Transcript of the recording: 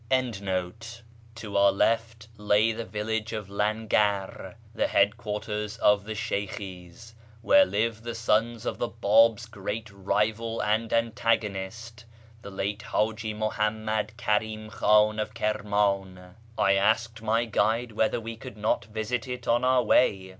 53S A YEAR AMONGST THE PERSIANS To our left lay the village of Langar, the headquarters of the Shey kill's, where live the sons of the Bab's great rival and antagonist, the late Haji Muhammad Kari'm Kh;in of Kirman. I asked my guide whether we could not visit it on our way.